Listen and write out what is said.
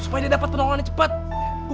putri dikit lagi putri